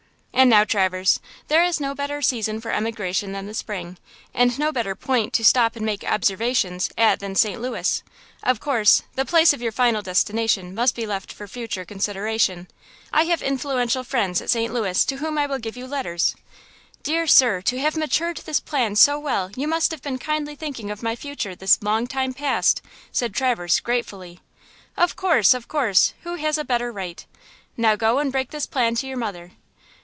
And now, Traverse, there is no better season for emigration than the spring, and no better point to stop and make observations at than St. Louis! Of course, the place of your final destination must be left for future consideration. I have influential friends at St. Louis to whom I will give you letters." "Dear sir, to have matured this plan so well you must have been kindly thinking of my future this long time past!" said Traverse, gratefully. "Of course–of course! Who has a better right? Now go and break this plan to your mother."